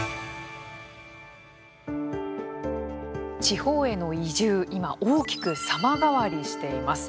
地方への移住、今大きく様変わりしています。